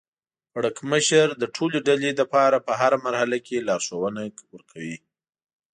پړکمشر د ټولې ډلې لپاره په هره مرحله کې لارښوونه ورکوي.